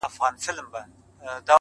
o خوند كوي دا دوه اشــــنا،